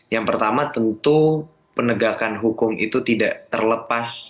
yang pertama tentu penegakan hukum itu tidak terlepas